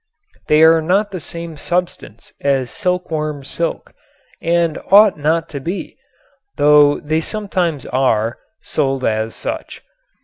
They are not the same substance as silkworm silk and ought not to be though they sometimes are sold as such.